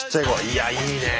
いやいいね。